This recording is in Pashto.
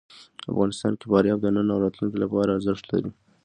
افغانستان کې فاریاب د نن او راتلونکي لپاره ارزښت لري.